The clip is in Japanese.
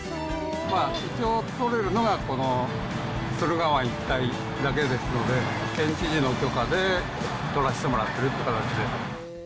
一応取れるのが、この駿河湾一帯だけですので、県知事の許可で取らせてもらってるっていう形で。